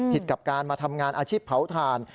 กับการมาทำงานอาชีพเผาถ่าน